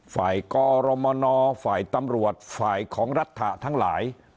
ฝ่ายกรมนฝ่ายตำรวจฝ่ายของรัฐะทั้งหลาย